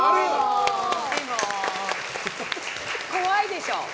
怖いでしょ？